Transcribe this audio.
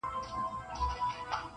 قرنطین دی لګېدلی د سرکار امر چلیږي-